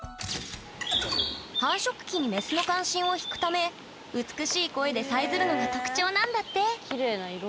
繁殖期にメスの関心をひくため美しい声でさえずるのが特徴なんだってきれいな色！